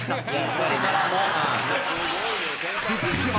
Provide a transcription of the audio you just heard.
［続いては］